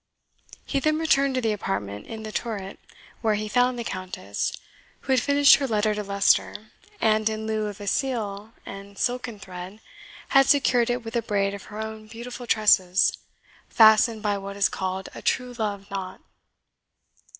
He then returned to the apartment in the turret, where he found the Countess, who had finished her letter to Leicester, and in lieu of a seal and silken thread, had secured it with a braid of her own beautiful tresses, fastened by what is called a true love knot.